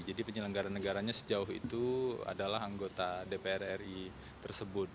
penyelenggara negaranya sejauh itu adalah anggota dpr ri tersebut